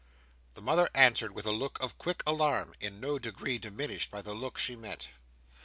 The mother answered with a look of quick alarm, in no degree diminished by the look she met.